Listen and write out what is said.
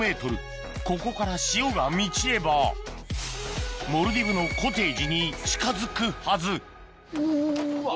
ここから潮が満ちればモルディブのコテージに近づくはずうわ。